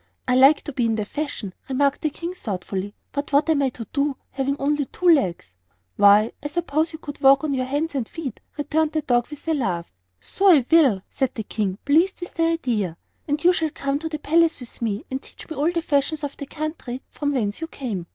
"I like to be in the fashion," remarked the King, thoughtfully; "but what am I to do, having only two legs?" "Why, I suppose you could walk on your hands and feet," returned the dog with a laugh. "So I will," said the King, being pleased with the idea; "and you shall come to the palace with me and teach me all the fashions of the country from whence you came."